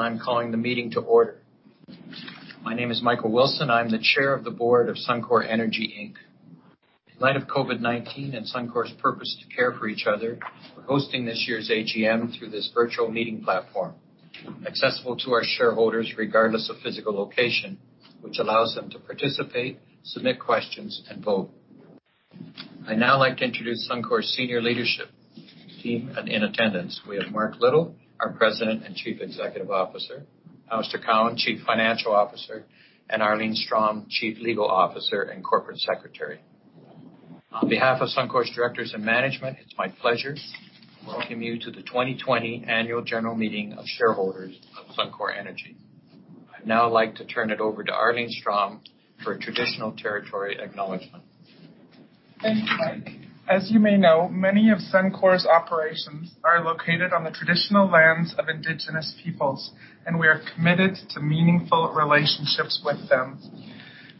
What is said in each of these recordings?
I'm calling the meeting to order. My name is Michael M. Wilson. I'm the Chair of the Board of Suncor Energy Inc. In light of COVID-19 and Suncor's purpose to care for each other, we're hosting this year's AGM through this virtual meeting platform, accessible to our shareholders regardless of physical location, which allows them to participate, submit questions, and vote. I'd now like to introduce Suncor's senior leadership team in attendance. We have Mark S. Little, our President and Chief Executive Officer, Alister Cowan, Chief Financial Officer, and Arlene Strom, Chief Legal Officer and Corporate Secretary. On behalf of Suncor's directors and management, it's my pleasure to welcome you to the 2020 Annual General Meeting of Shareholders of Suncor Energy. I'd now like to turn it over to Arlene Strom for a traditional territory acknowledgement. Thank you, Mike. As you may know, many of Suncor's operations are located on the traditional lands of indigenous peoples, and we are committed to meaningful relationships with them.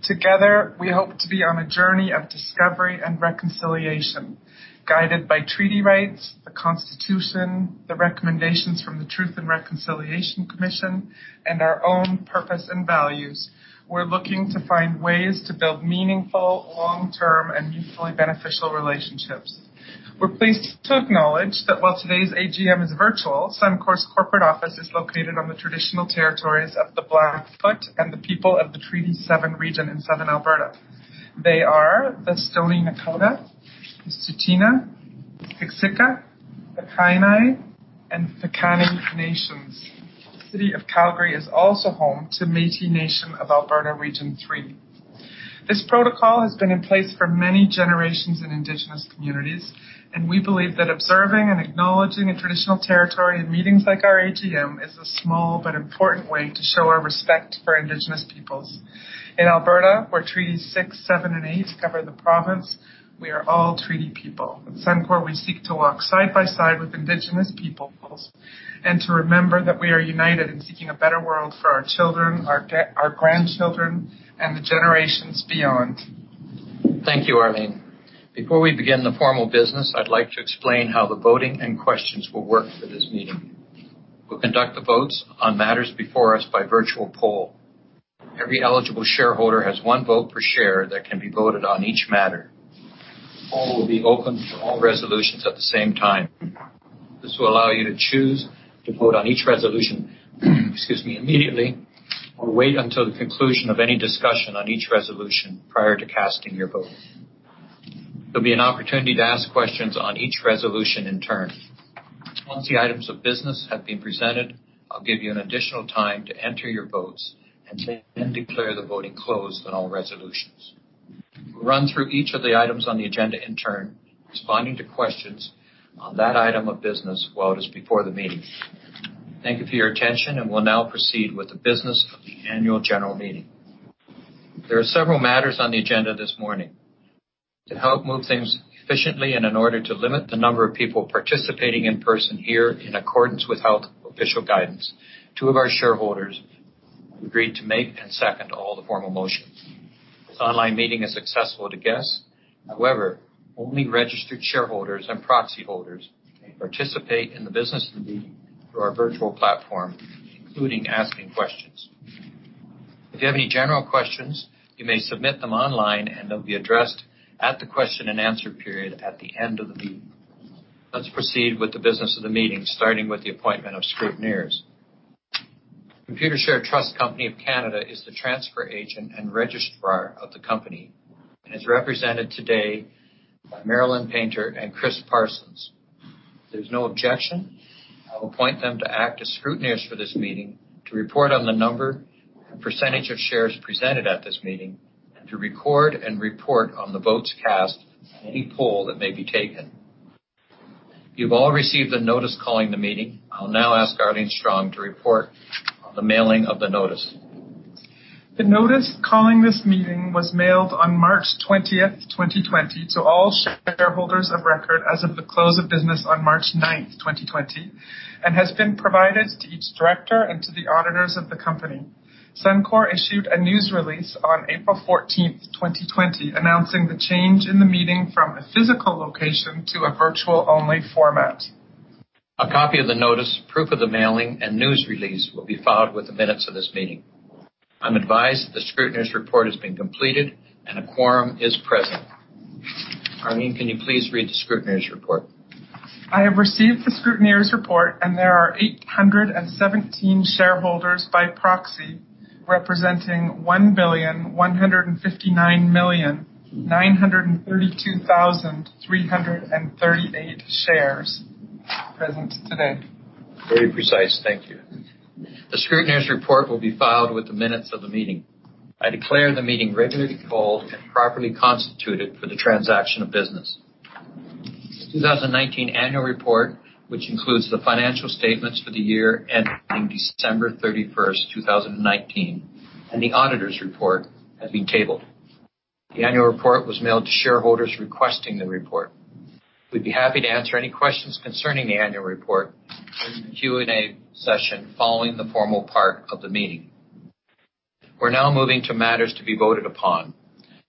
Together, we hope to be on a journey of discovery and reconciliation, guided by treaty rights, the Constitution, the recommendations from the Truth and Reconciliation Commission, and our own purpose and values. We're looking to find ways to build meaningful, long-term, and mutually beneficial relationships. We're pleased to acknowledge that while today's AGM is virtual, Suncor's corporate office is located on the traditional territories of the Blackfoot and the people of the Treaty seven region in Southern Alberta. They are the Stoney Nakoda, the Tsuut'ina, the Siksika, the Kainai, and the Piikani Nation. The City of Calgary is also home to Métis Nation of Alberta Region three. This protocol has been in place for many generations in indigenous communities, and we believe that observing and acknowledging a traditional territory in meetings like our AGM is a small but important way to show our respect for indigenous peoples. In Alberta, where Treaties six, seven, and eight cover the province, we are all treaty people. At Suncor, we seek to walk side by side with indigenous peoples and to remember that we are united in seeking a better world for our children, our grandchildren, and the generations beyond. Thank you, Arlene Strom. Before we begin the formal business, I'd like to explain how the voting and questions will work for this meeting. We'll conduct the votes on matters before us by virtual poll. Every eligible shareholder has one vote per share that can be voted on each matter. The poll will be open for all resolutions at the same time. This will allow you to choose to vote on each resolution, excuse me, immediately or wait until the conclusion of any discussion on each resolution prior to casting your vote. There'll be an opportunity to ask questions on each resolution in turn. Once the items of business have been presented, I'll give you an additional time to enter your votes and then declare the voting closed on all resolutions. We'll run through each of the items on the agenda in turn, responding to questions on that item of business while it is before the meeting. Thank you for your attention. We'll now proceed with the business of the annual general meeting. There are several matters on the agenda this morning. To help move things efficiently and in order to limit the number of people participating in person here in accordance with health official guidance, two of our shareholders agreed to make and second all the formal motions. This online meeting is accessible to guests. Only registered shareholders and proxy holders may participate in the business of the meeting through our virtual platform, including asking questions. If you have any general questions, you may submit them online, and they'll be addressed at the question and answer period at the end of the meeting. Let's proceed with the business of the meeting, starting with the appointment of scrutineers. Computershare Trust Company of Canada is the transfer agent and registrar of the company and is represented today by Marilyn Painter and Chris Parsons. If there's no objection, I will appoint them to act as scrutineers for this meeting to report on the number and percentage of shares presented at this meeting and to record and report on the votes cast on any poll that may be taken. You've all received the notice calling the meeting. I'll now ask Arlene Strom to report on the mailing of the notice. The notice calling this meeting was mailed on March 20th, 2020 to all shareholders of record as of the close of business on March 9th, 2020, and has been provided to each director and to the auditors of the company. Suncor issued a news release on April 14th, 2020, announcing the change in the meeting from a physical location to a virtual-only format. A copy of the notice, proof of the mailing, and news release will be filed with the minutes of this meeting. I'm advised that the scrutineer's report has been completed and a quorum is present. Arlene, can you please read the scrutineer's report? I have received the scrutineer's report, and there are 817 shareholders by proxy representing 1,159,932,338 shares present today. Very precise. Thank you. The scrutineer's report will be filed with the minutes of the meeting. I declare the meeting regularly called and properly constituted for the transaction of business. The 2019 annual report, which includes the financial statements for the year ending December 31st, 2019, and the auditor's report, has been tabled. The annual report was mailed to shareholders requesting the report. We'd be happy to answer any questions concerning the annual report during the Q&A session following the formal part of the meeting. We're now moving to matters to be voted upon.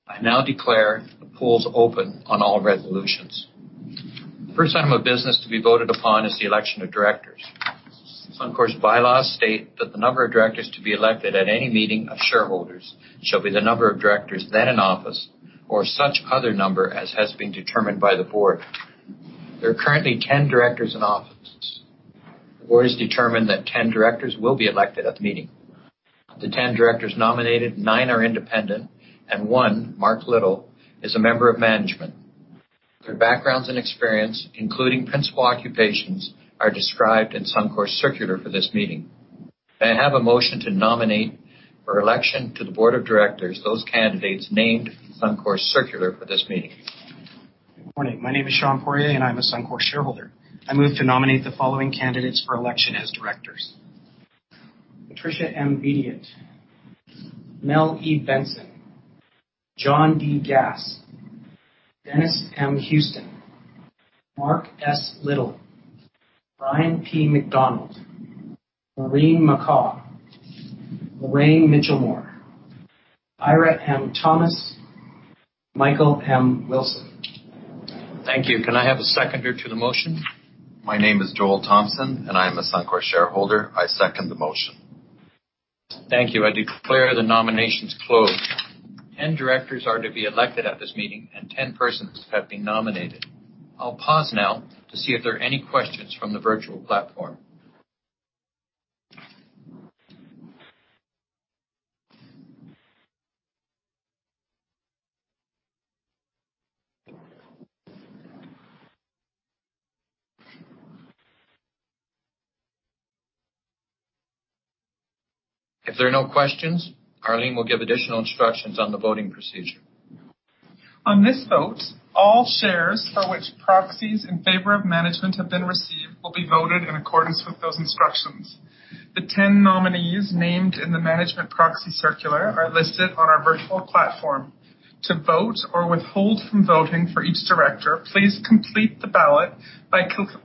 I now declare the polls open on all resolutions. The first item of business to be voted upon is the election of directors. Suncor's bylaws state that the number of directors to be elected at any meeting of shareholders shall be the number of directors then in office or such other number as has been determined by the board. There are currently 10 directors in office. The board has determined that 10 directors will be elected at the meeting. Of the 10 directors nominated, nine are independent and one, Mark S. Little, is a member of management. Their backgrounds and experience, including principal occupations, are described in Suncor's circular for this meeting. May I have a motion to nominate for election to the board of directors those candidates named in Suncor's circular for this meeting? Good morning. My name is Sean Poirier, and I'm a Suncor shareholder. I move to nominate the following candidates for election as directors: Patricia M. Bedient, Mel E. Benson, John D. Gass, Dennis M. Houston, Mark S. Little, Brian P. MacDonald, Maureen McCaw, Lorraine Mitchelmore, Eira M. Thomas, Michael M. Wilson. Thank you. Can I have a seconder to the motion? My name is Joel Thompson, and I am a Suncor shareholder. I second the motion. Thank you. I declare the nominations closed. 10 directors are to be elected at this meeting, and 10 persons have been nominated. I'll pause now to see if there are any questions from the virtual platform. If there are no questions, Arlene will give additional instructions on the voting procedure. On this vote, all shares for which proxies in favor of management have been received will be voted in accordance with those instructions. The 10 nominees named in the management proxy circular are listed on our virtual platform. To vote or withhold from voting for each director, please complete the ballot by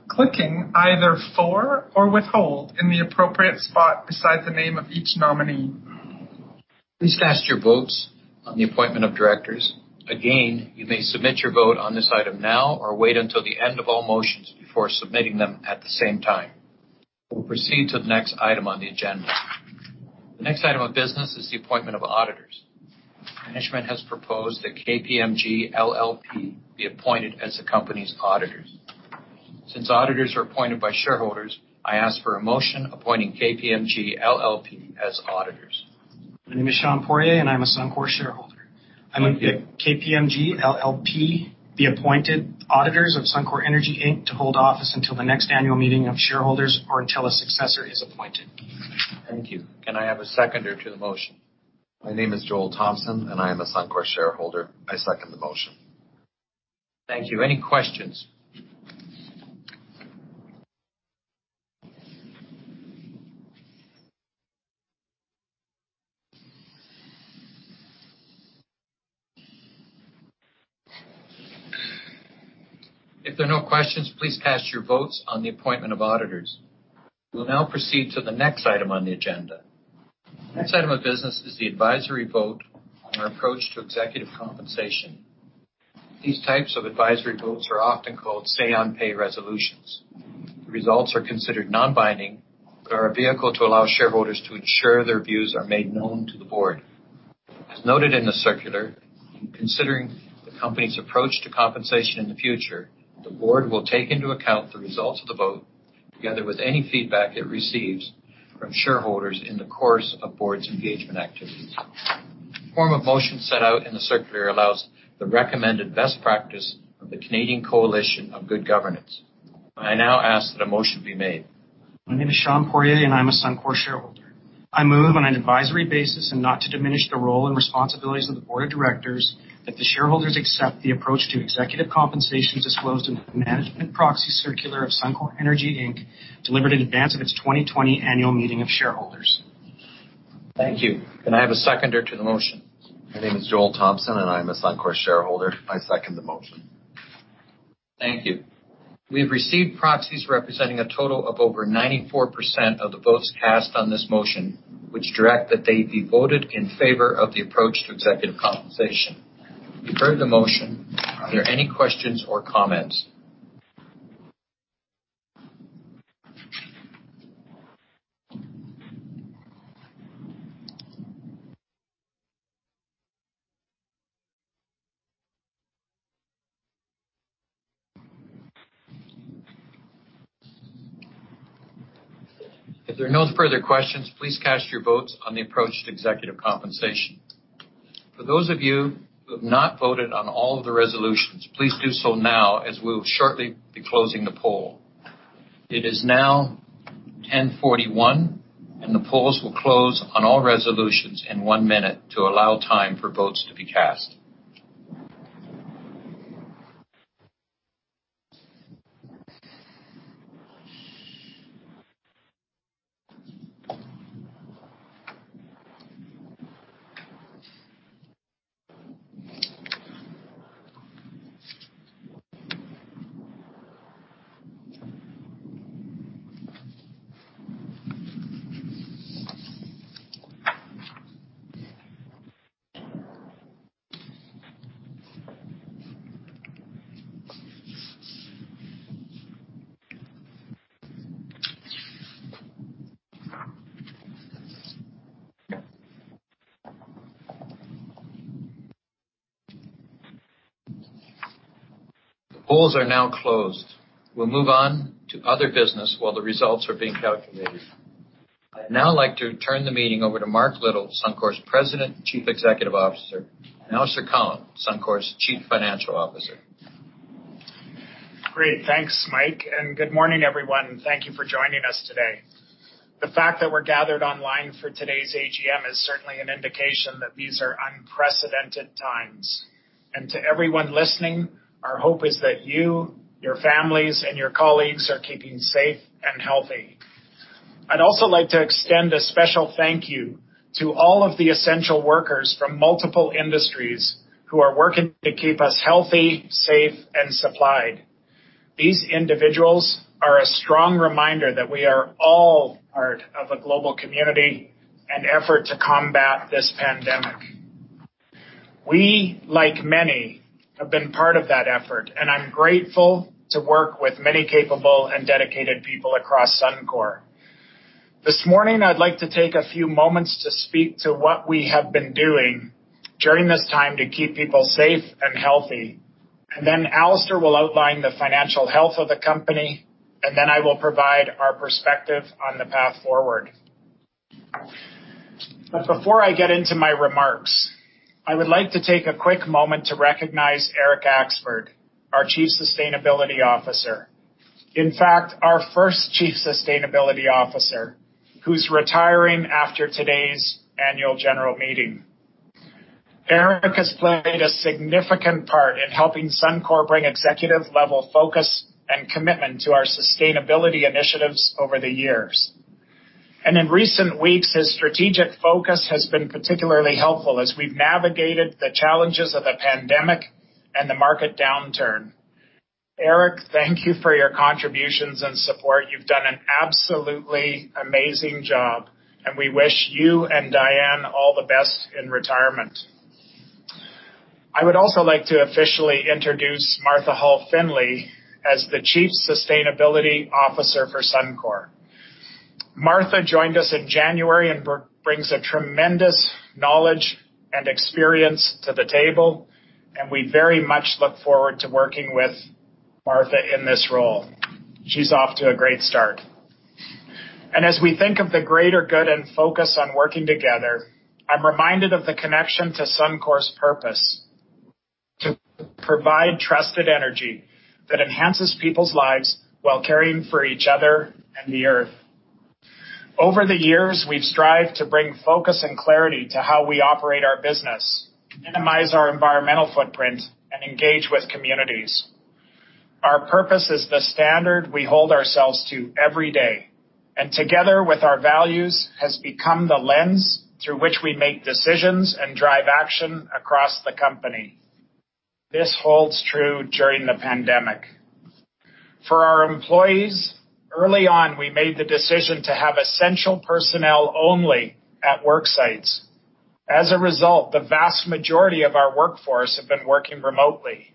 clicking either For or Withhold in the appropriate spot beside the name of each nominee. Please cast your votes on the appointment of directors. Again, you may submit your vote on this item now or wait until the end of all motions before submitting them at the same time. We'll proceed to the next item on the agenda. The next item of business is the appointment of auditors. Management has proposed that KPMG LLP be appointed as the company's auditors. Since auditors are appointed by shareholders, I ask for a motion appointing KPMG LLP as auditors. My name is Sean Poirier, and I'm a Suncor shareholder. Thank you. I move that KPMG LLP be appointed auditors of Suncor Energy Inc. to hold office until the next annual meeting of shareholders or until a successor is appointed. Thank you. Can I have a seconder to the motion? My name is Joel Thompson, and I am a Suncor shareholder. I second the motion. Thank you. Any questions? If there are no questions, please cast your votes on the appointment of auditors. We'll now proceed to the next item on the agenda. The next item of business is the advisory vote on our approach to executive compensation. These types of advisory votes are often called say-on-pay resolutions. The results are considered non-binding but are a vehicle to allow shareholders to ensure their views are made known to the board. As noted in the circular, in considering the company's approach to compensation in the future, the board will take into account the results of the vote together with any feedback it receives from shareholders in the course of the board's engagement activities. The form of motion set out in the circular allows the recommended best practice of the Canadian Coalition for Good Governance. I now ask that a motion be made. My name is Sean Poirier, and I'm a Suncor shareholder. I move on an advisory basis and not to diminish the role and responsibilities of the board of directors that the shareholders accept the approach to executive compensation disclosed in the management proxy circular of Suncor Energy Inc. delivered in advance of its 2020 annual meeting of shareholders. Thank you. Can I have a seconder to the motion? My name is Joel Thompson, and I am a Suncor shareholder. I second the motion. Thank you. We have received proxies representing a total of over 94% of the votes cast on this motion, which direct that they be voted in favor of the approach to executive compensation. You've heard the motion. Are there any questions or comments? If there are no further questions, please cast your votes on the approach to executive compensation. For those of you who have not voted on all of the resolutions, please do so now as we'll shortly be closing the poll. It is now 10:41 A.M., and the polls will close on all resolutions in one minute to allow time for votes to be cast. The polls are now closed. We'll move on to other business while the results are being calculated. I'd now like to turn the meeting over to Mark, little, Suncor's President and Chief Executive Officer, and Alister Cowan, Suncor's Chief Financial Officer. Great. Thanks, Mike. Good morning, everyone. Thank you for joining us today. The fact that we're gathered online for today's AGM is certainly an indication that these are unprecedented times. To everyone listening, our hope is that you, your families, and your colleagues are keeping safe and healthy. I'd also like to extend a special thank you to all of the essential workers from multiple industries who are working to keep us healthy, safe, and supplied. These individuals are a strong reminder that we are all part of a global community and effort to combat this pandemic. We, like many, have been part of that effort, and I'm grateful to work with many capable and dedicated people across Suncor. This morning, I'd like to take a few moments to speak to what we have been doing during this time to keep people safe and healthy. Alister will outline the financial health of the company. I will provide our perspective on the path forward. Before I get into my remarks, I would like to take a quick moment to recognize Eric Axford, our Chief Sustainability Officer. In fact, our first chief sustainability officer, who's retiring after today's annual general meeting. Eric has played a significant part in helping Suncor bring executive-level focus and commitment to our sustainability initiatives over the years. In recent weeks, his strategic focus has been particularly helpful as we've navigated the challenges of the pandemic and the market downturn. Eric, thank you for your contributions and support. You've done an absolutely amazing job, and we wish you and Diane all the best in retirement. I would also like to officially introduce Martha Hall Findlay as the Chief Sustainability Officer for Suncor. Martha joined us in January and brings a tremendous knowledge and experience to the table, and we very much look forward to working with Martha in this role. She's off to a great start. As we think of the greater good and focus on working together, I'm reminded of the connection to Suncor's purpose to provide trusted energy that enhances people's lives while caring for each other and the Earth. Over the years, we've strived to bring focus and clarity to how we operate our business, minimize our environmental footprint, and engage with communities. Our purpose is the standard we hold ourselves to every day, and together with our values, has become the lens through which we make decisions and drive action across the company. This holds true during the pandemic. For our employees, early on, we made the decision to have essential personnel only at work sites. As a result, the vast majority of our workforce have been working remotely.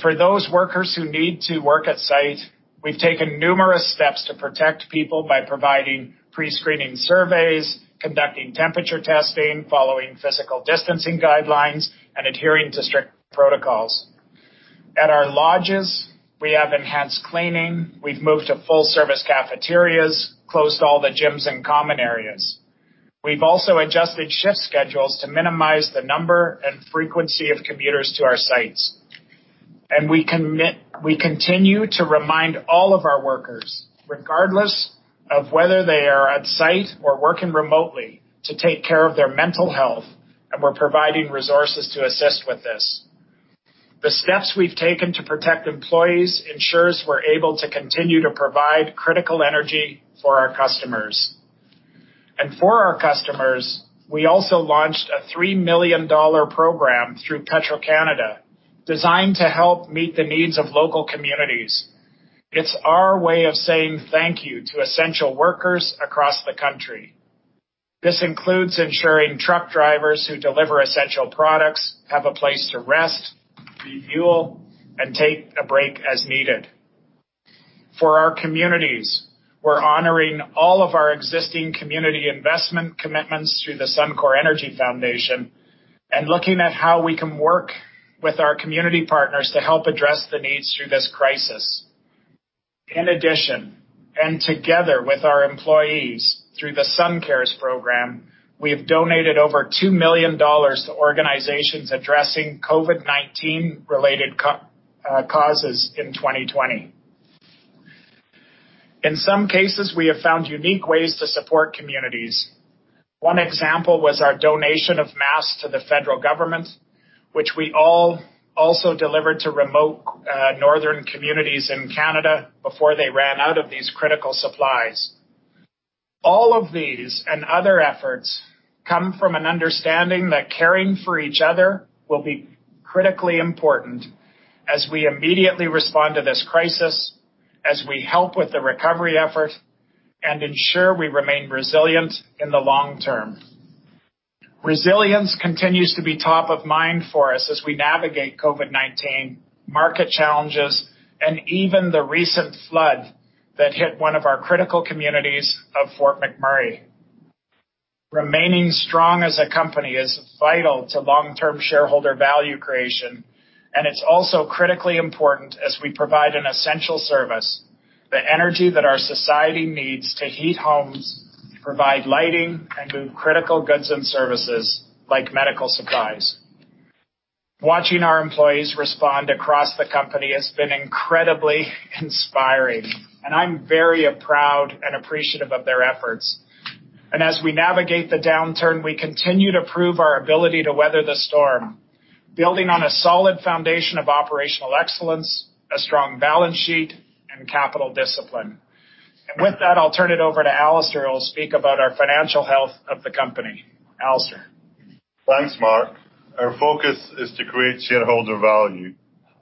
For those workers who need to work at site, we've taken numerous steps to protect people by providing pre-screening surveys, conducting temperature testing, following physical distancing guidelines, and adhering to strict protocols. At our lodges, we have enhanced cleaning. We've moved to full-service cafeterias, closed all the gyms and common areas. We've also adjusted shift schedules to minimize the number and frequency of commuters to our sites. We continue to remind all of our workers, regardless of whether they are on-site or working remotely, to take care of their mental health, and we're providing resources to assist with this. The steps we've taken to protect employees ensures we're able to continue to provide critical energy for our customers. For our customers, we also launched a 3 million dollar program through Petro-Canada designed to help meet the needs of local communities. It's our way of saying thank you to essential workers across the country. This includes ensuring truck drivers who deliver essential products have a place to rest, refuel, and take a break as needed. For our communities, we're honoring all of our existing community investment commitments through the Suncor Energy Foundation and looking at how we can work with our community partners to help address the needs through this crisis. In addition, and together with our employees, through the SunCares program, we have donated over 2 million dollars to organizations addressing COVID-19 related causes in 2020. In some cases, we have found unique ways to support communities. One example was our donation of masks to the federal government, which we also delivered to remote, northern communities in Canada before they ran out of these critical supplies. All of these and other efforts come from an understanding that caring for each other will be critically important as we immediately respond to this crisis, as we help with the recovery effort, and ensure we remain resilient in the long term. Resilience continues to be top of mind for us as we navigate COVID-19, market challenges, and even the recent flood that hit one of our critical communities of Fort McMurray. Remaining strong as a company is vital to long-term shareholder value creation, and it's also critically important as we provide an essential service, the energy that our society needs to heat homes, provide lighting, and move critical goods and services like medical supplies. Watching our employees respond across the company has been incredibly inspiring, and I'm very proud and appreciative of their efforts. As we navigate the downturn, we continue to prove our ability to weather the storm. Building on a solid foundation of operational excellence, a strong balance sheet, and capital discipline. With that, I'll turn it over to Alister who will speak about our financial health of the company. Alister. Thanks, Mark. Our focus is to create shareholder value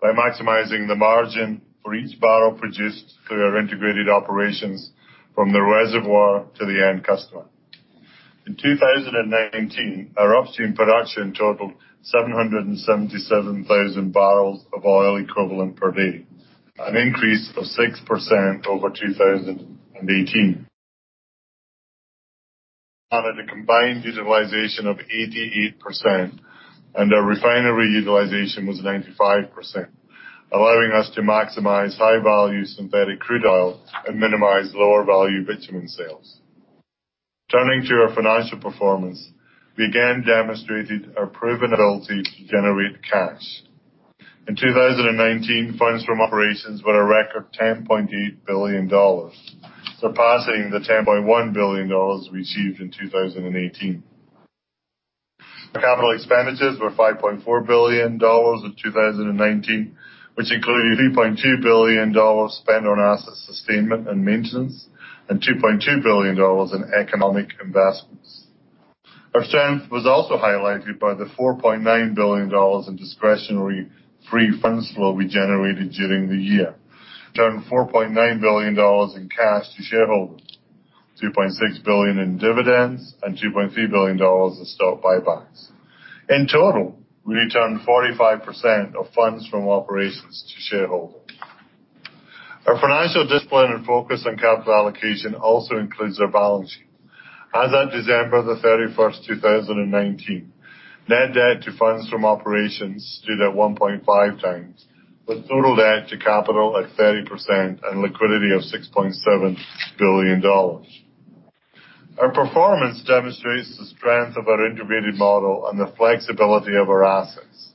by maximizing the margin for each barrel produced through our integrated operations from the reservoir to the end customer. In 2019, our upstream production totaled 777,000 barrels of oil equivalent per day, an increase of 6% over 2018. On a combined utilization of 88%, and our refinery utilization was 95%, allowing us to maximize high-value synthetic crude oil and minimize lower-value bitumen sales. Turning to our financial performance, we again demonstrated our proven ability to generate cash. In 2019, funds from operations were a record 10.8 billion dollars, surpassing the 10.1 billion dollars we received in 2018. Our capital expenditures were 5.4 billion dollars in 2019, which included 3.2 billion dollars spent on asset sustainment and maintenance, and 2.2 billion dollars in economic investments. Our strength was also highlighted by the 4.9 billion dollars in discretionary free funds flow we generated during the year. We returned 4.9 billion dollars in cash to shareholders, 2.6 billion in dividends, and 2.3 billion dollars in stock buybacks. In total, we returned 45% of funds from operations to shareholders. Our financial discipline and focus on capital allocation also includes our balance sheet. As at December the 31st, 2019, net debt to funds from operations stood at 1.5 times, with total debt to capital at 30% and liquidity of 6.7 billion dollars. Our performance demonstrates the strength of our integrated model and the flexibility of our assets,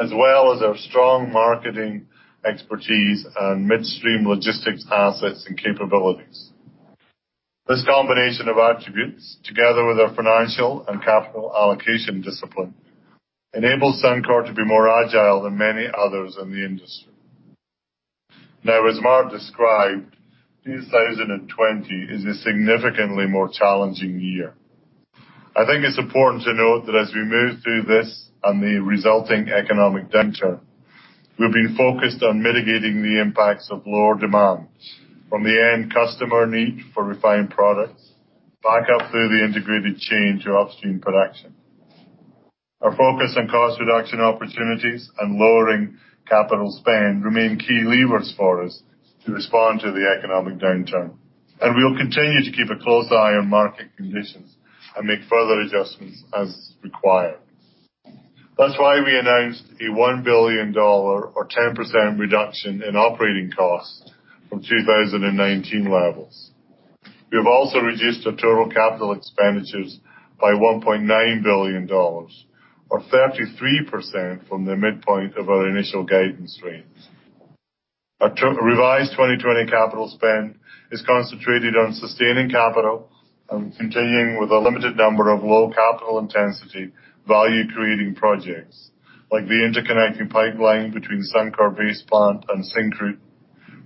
as well as our strong marketing expertise and midstream logistics assets and capabilities. This combination of attributes, together with our financial and capital allocation discipline, enables Suncor to be more agile than many others in the industry. Now, as Mark described, 2020 is a significantly more challenging year. I think it's important to note that as we move through this and the resulting economic downturn, we've been focused on mitigating the impacts of lower demand from the end customer need for refined products back up through the integrated chain to upstream production. Our focus on cost reduction opportunities and lowering capital spend remain key levers for us to respond to the economic downturn, and we will continue to keep a close eye on market conditions and make further adjustments as required. That's why we announced a 1 billion dollar or 10% reduction in operating cost from 2019 levels. We have also reduced our total capital expenditures by 1.9 billion dollars or 33% from the midpoint of our initial guidance range. Our revised 2020 capital spend is concentrated on sustaining capital and continuing with a limited number of low capital intensity, value-creating projects like the interconnecting pipeline between Suncor Base Plant and Syncrude,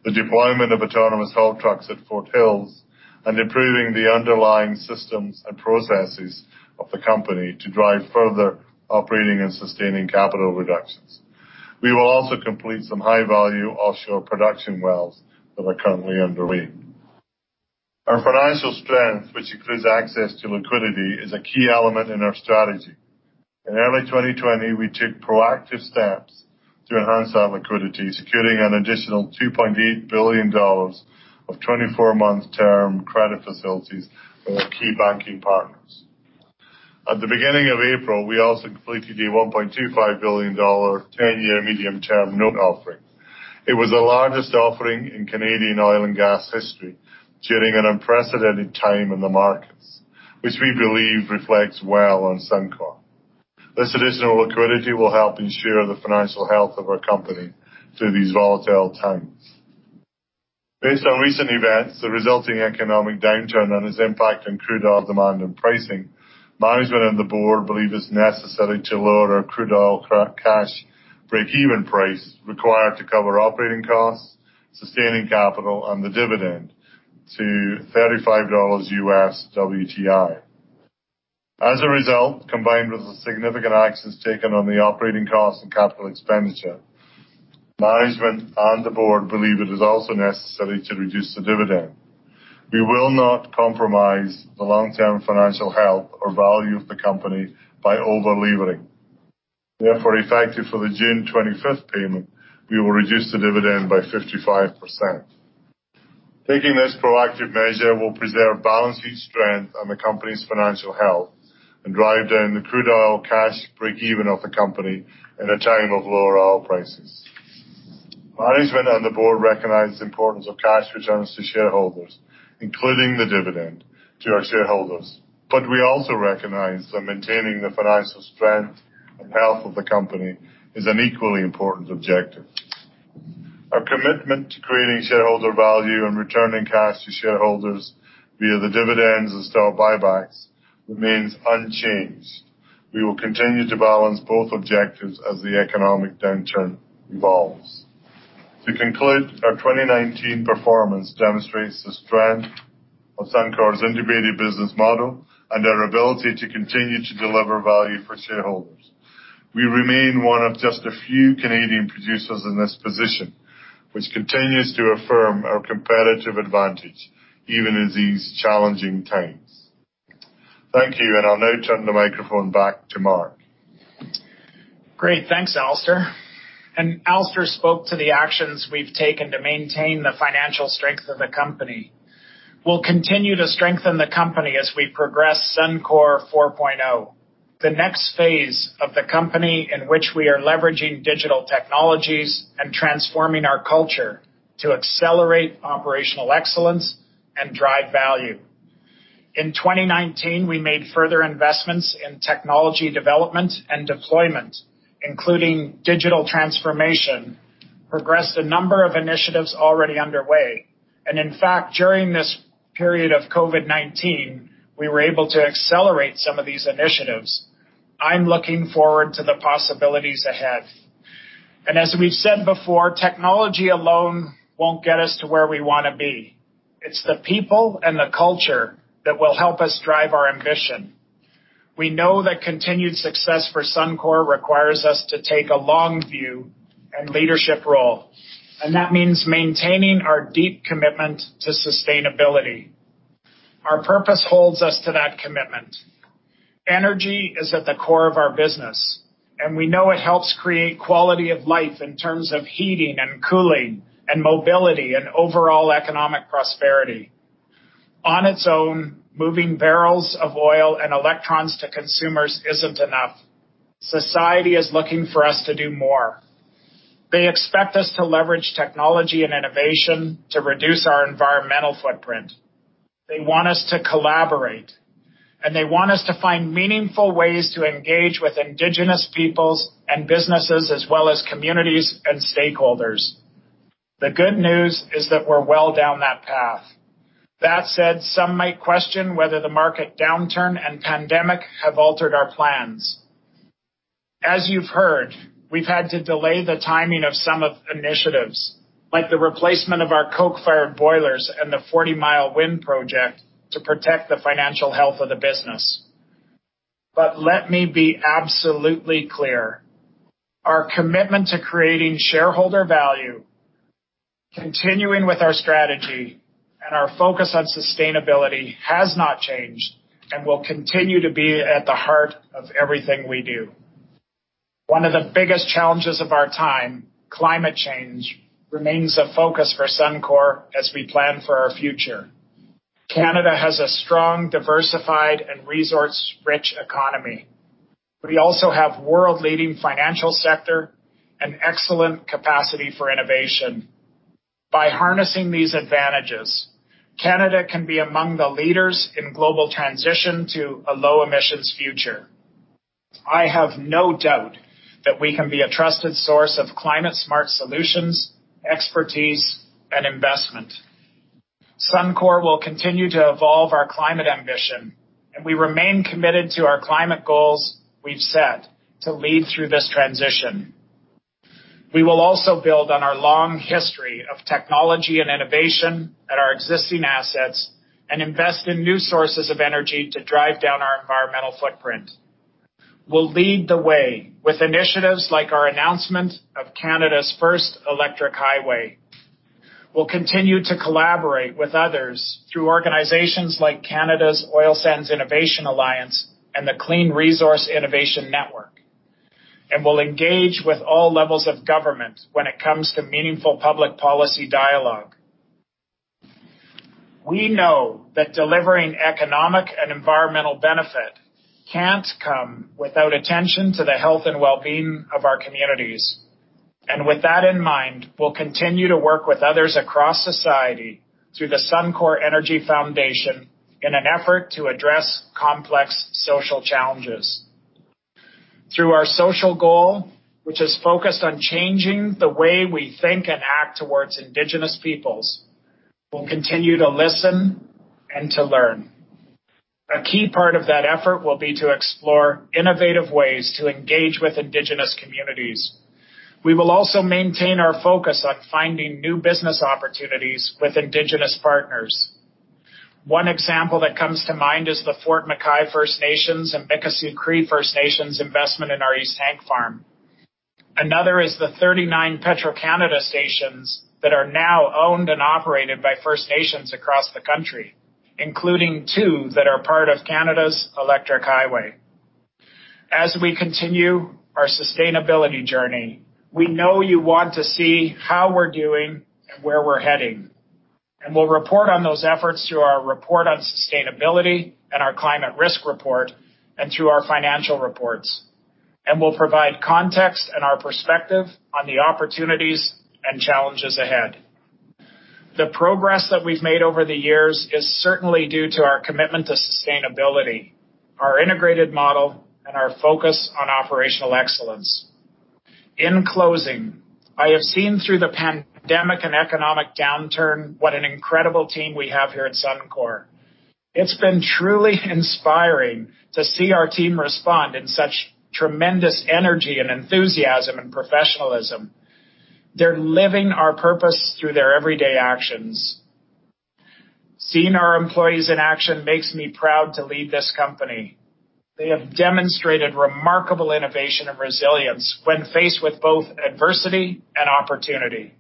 the deployment of autonomous haul trucks at Fort Hills, and improving the underlying systems and processes of the company to drive further operating and sustaining capital reductions. We will also complete some high-value offshore production wells that are currently underway. Our financial strength, which includes access to liquidity, is a key element in our strategy. In early 2020, we took proactive steps to enhance our liquidity, securing an additional 2.8 billion dollars of 24-month term credit facilities from our key banking partners. At the beginning of April, we also completed a 1.25 billion dollar 10-year medium-term note offering. It was the largest offering in Canadian oil and gas history during an unprecedented time in the markets, which we believe reflects well on Suncor. This additional liquidity will help ensure the financial health of our company through these volatile times. Based on recent events, the resulting economic downturn, and its impact on crude oil demand and pricing, management and the board believe it is necessary to lower our crude oil cash breakeven price required to cover operating costs, sustaining capital, and the dividend to $35 U.S. WTI. Combined with the significant actions taken on the operating costs and capital expenditure, management and the board believe it is also necessary to reduce the dividend. We will not compromise the long-term financial health or value of the company by over-leveraging. Effective for the June 25th payment, we will reduce the dividend by 55%. Taking this proactive measure will preserve balance sheet strength and the company's financial health and drive down the crude oil cash breakeven of the company in a time of lower oil prices. Management and the board recognize the importance of cash returns to shareholders, including the dividend to our shareholders, but we also recognize that maintaining the financial strength and health of the company is an equally important objective. Our commitment to creating shareholder value and returning cash to shareholders via the dividends and stock buybacks remains unchanged. We will continue to balance both objectives as the economic downturn evolves. To conclude, our 2019 performance demonstrates the strength of Suncor's integrated business model and our ability to continue to deliver value for shareholders. We remain one of just a few Canadian producers in this position, which continues to affirm our competitive advantage even in these challenging times. Thank you, and I'll now turn the microphone back to Mark. Great. Thanks, Alister. Alister spoke to the actions we've taken to maintain the financial strength of the company. We'll continue to strengthen the company as we progress Suncor 4.0, the next phase of the company in which we are leveraging digital technologies and transforming our culture to accelerate operational excellence and drive value. In 2019, we made further investments in technology development and deployment, including digital transformation, progressed a number of initiatives already underway, and in fact, during this period of COVID-19, we were able to accelerate some of these initiatives. I'm looking forward to the possibilities ahead. As we've said before, technology alone won't get us to where we want to be. It's the people and the culture that will help us drive our ambition. We know that continued success for Suncor requires us to take a long view and leadership role, and that means maintaining our deep commitment to sustainability. Our purpose holds us to that commitment. Energy is at the core of our business, and we know it helps create quality of life in terms of heating and cooling and mobility and overall economic prosperity. On its own, moving barrels of oil and electrons to consumers isn't enough. Society is looking for us to do more. They expect us to leverage technology and innovation to reduce our environmental footprint. They want us to collaborate, and they want us to find meaningful ways to engage with Indigenous peoples and businesses, as well as communities and stakeholders. The good news is that we're well down that path. That said, some might question whether the market downturn and pandemic have altered our plans. As you've heard, we've had to delay the timing of some initiatives, like the replacement of our coke-fired boilers and the Forty Mile Wind Power Project, to protect the financial health of the business. Let me be absolutely clear, our commitment to creating shareholder value, continuing with our strategy, and our focus on sustainability has not changed and will continue to be at the heart of everything we do. One of the biggest challenges of our time, climate change, remains a focus for Suncor as we plan for our future. Canada has a strong, diversified, and resource-rich economy. We also have world-leading financial sector and excellent capacity for innovation. By harnessing these advantages, Canada can be among the leaders in global transition to a low-emissions future. I have no doubt that we can be a trusted source of climate-smart solutions, expertise, and investment. Suncor will continue to evolve our climate ambition, and we remain committed to our climate goals we've set to lead through this transition. We will also build on our long history of technology and innovation at our existing assets and invest in new sources of energy to drive down our environmental footprint. We'll lead the way with initiatives like our announcement of Canada's first electric highway. We'll continue to collaborate with others through organizations like Canada's Oil Sands Innovation Alliance and the Clean Resource Innovation Network, and we'll engage with all levels of government when it comes to meaningful public policy dialogue. We know that delivering economic and environmental benefit can't come without attention to the health and wellbeing of our communities. With that in mind, we'll continue to work with others across society through the Suncor Energy Foundation in an effort to address complex social challenges. Through our social goal, which is focused on changing the way we think and act towards Indigenous peoples, we'll continue to listen and to learn. A key part of that effort will be to explore innovative ways to engage with Indigenous communities. We will also maintain our focus on finding new business opportunities with Indigenous partners. One example that comes to mind is the Fort McKay First Nation and Mikisew Cree First Nation investment in our East Tank Farm. Another is the 39 Petro-Canada stations that are now owned and operated by First Nations across the country, including two that are part of Canada's Electric Highway. As we continue our sustainability journey, we know you want to see how we're doing and where we're heading. We'll report on those efforts through our Report on Sustainability and our Climate Risk Report and through our financial reports. We'll provide context and our perspective on the opportunities and challenges ahead. The progress that we've made over the years is certainly due to our commitment to sustainability, our integrated model, and our focus on operational excellence. In closing, I have seen through the pandemic and economic downturn what an incredible team we have here at Suncor. It's been truly inspiring to see our team respond in such tremendous energy and enthusiasm and professionalism. They're living our purpose through their everyday actions. Seeing our employees in action makes me proud to lead this company. They have demonstrated remarkable innovation and resilience when faced with both adversity and opportunity.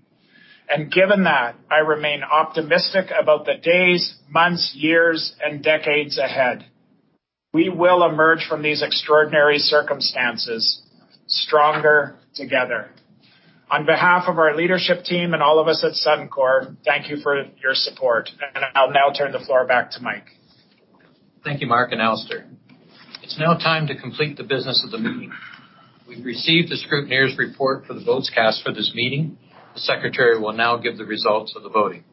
Given that, I remain optimistic about the days, months, years, and decades ahead. We will emerge from these extraordinary circumstances stronger together. On behalf of our leadership team and all of us at Suncor, thank you for your support. I'll now turn the floor back to Mike. Thank you, Mark and Alister. It's now time to complete the business of the meeting. We've received the scrutineer's report for the votes cast for this meeting. The secretary will now give the results of the voting.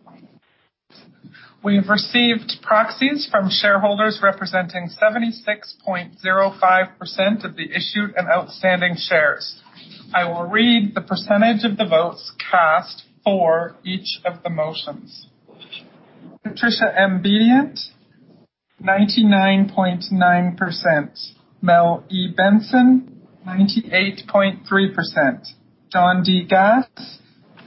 We have received proxies from shareholders representing 76.05% of the issued and outstanding shares. I will read the percentage of the votes cast for each of the motions. Patricia M. Bedient, 99.9%. Mel E. Benson, 98.3%. John D. Gass,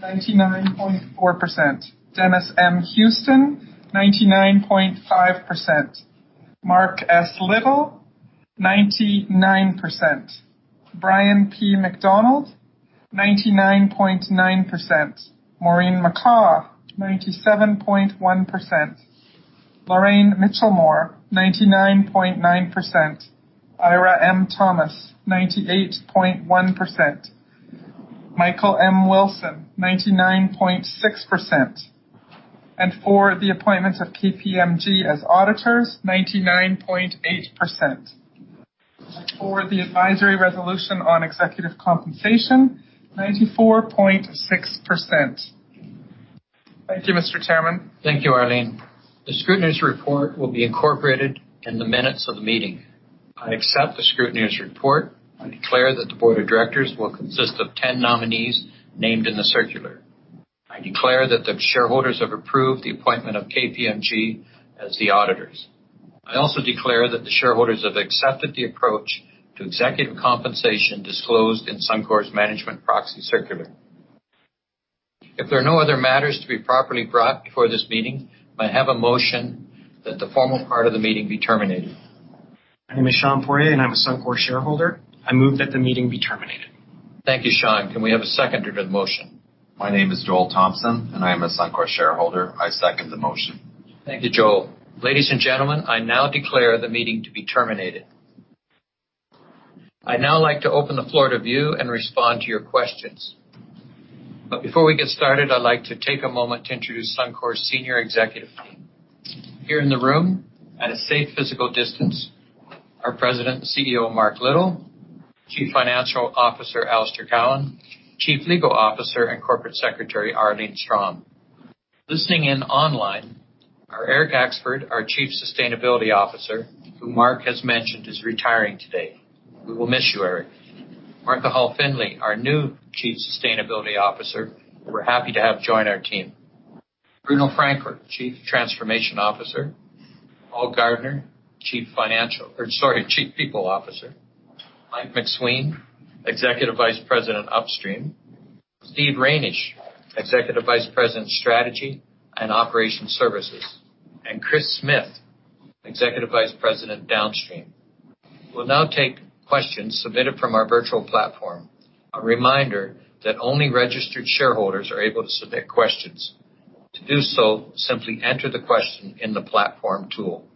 99.4%. Dennis M. Houston, 99.5%. Mark S. Little, 99%. Brian P. MacDonald, 99.9%. Maureen McCaw, 97.1%. Lorraine Mitchelmore, 99.9%. Eira M. Thomas, 98.1%. Michael M. Wilson, 99.6%. For the appointments of KPMG as auditors, 99.8%. For the advisory resolution on executive compensation, 94.6%. Thank you, Mr. Chairman. Thank you, Arlene Strom. The scrutineer's report will be incorporated in the minutes of the meeting. I accept the scrutineer's report and declare that the board of directors will consist of 10 nominees named in the circular. I declare that the shareholders have approved the appointment of KPMG as the auditors. I also declare that the shareholders have accepted the approach to executive compensation disclosed in Suncor's management proxy circular. If there are no other matters to be properly brought before this meeting, may I have a motion that the formal part of the meeting be terminated? My name is Sean Poirier, and I'm a Suncor shareholder. I move that the meeting be terminated. Thank you, Sean. Can we have a seconder to the motion? My name is Joel Thompson, and I am a Suncor shareholder. I second the motion. Thank you, Joel. Ladies and gentlemen, I now declare the meeting to be terminated. I'd now like to open the floor to you and respond to your questions. Before we get started, I'd like to take a moment to introduce Suncor's senior executive team. Here in the room at a safe physical distance, our President and CEO, Mark Little, Chief Financial Officer, Alister Cowan, Chief Legal Officer and Corporate Secretary, Arlene Strom. Listening in online are Eric Axford, our Chief Sustainability Officer, who Mark has mentioned is retiring today. We will miss you, Eric. Martha Hall Findlay, our new Chief Sustainability Officer, who we're happy to have join our team. Bruno Francoeur, Chief Transformation Officer. Paul Gardner, Chief People Officer. Mike MacSween, Executive Vice President, Upstream. Steve Reynish, Executive Vice President, Strategy and Operations Services. Kris Smith, Executive Vice President, Downstream. We'll now take questions submitted from our virtual platform. A reminder that only registered shareholders are able to submit questions. To do so, simply enter the question in the platform tool.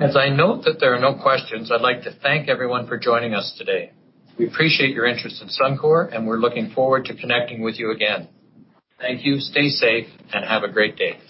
As I note that there are no questions, I'd like to thank everyone for joining us today. We appreciate your interest in Suncor, and we're looking forward to connecting with you again. Thank you, stay safe, and have a great day.